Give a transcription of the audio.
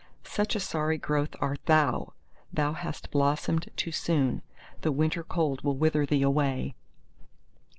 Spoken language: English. Such a sorry growth art thou; thou hast blossomed too soon: the winter cold will wither thee away!